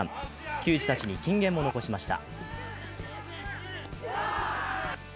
球児たちに金言も残しました。